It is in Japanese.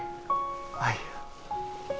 あいや。